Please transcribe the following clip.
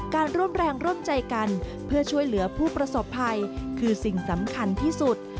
การร่วมแรงร่วมใจกันเพื่อช่วยเหลือผู้ประสบภัยคือสิ่งสำคัญที่สุด